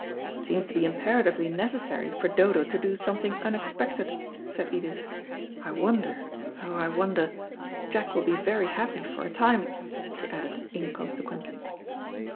"It seems to be imperatively necessary for Dodo to do something unexpected," said Edith. "I wonder, oh, I wonder Jack will be very happy for a time," she added inconsequently.